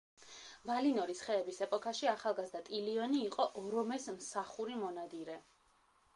ვალინორის ხეების ეპოქაში ახალგაზრდა ტილიონი იყო ორომეს მსახური მონადირე.